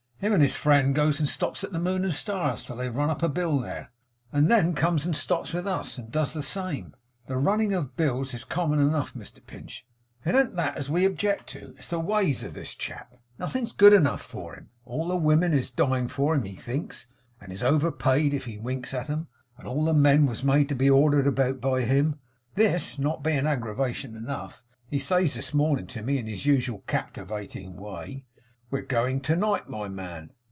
Him and his friend goes and stops at the Moon and Stars till they've run a bill there; and then comes and stops with us and does the same. The running of bills is common enough Mr Pinch; it an't that as we object to; it's the ways of this chap. Nothing's good enough for him; all the women is dying for him he thinks, and is overpaid if he winks at 'em; and all the men was made to be ordered about by him. This not being aggravation enough, he says this morning to me, in his usual captivating way, "We're going to night, my man."